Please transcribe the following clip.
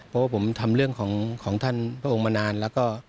เพราะว่าผมทำเรื่องของท่านพระองค์มานานแล้วก็